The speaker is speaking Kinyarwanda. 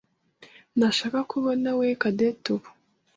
ntashaka kubonawe Cadette ubu.